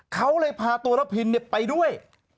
เขาเลยพาตัวรับพินทร์เนี่ยไปด้วย